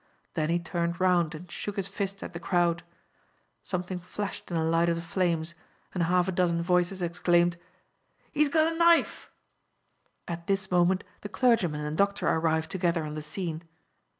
Then he turned round and shook his fist at the crowd. Something flashed in the light of the flames, and half a dozen voices exclaimed: "He has got a knife." At this moment the clergyman and doctor arrived together on the scene.